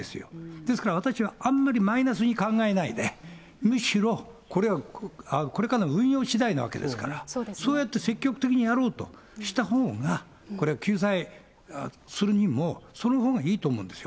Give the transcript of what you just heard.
ですから、私はあんまりマイナスに考えないで、むしろこれからの運用しだいなわけなんですから、そうやって積極的にやろうとしたほうが、これ、救済するにも、そのほうがいいと思うんですよ。